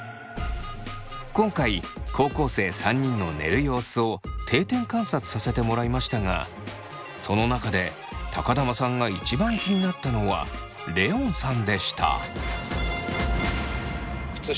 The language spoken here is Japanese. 今回高校生３人の寝る様子を定点観察させてもらいましたがその中で玉さんがいちばん気になったのはレオンさんでした。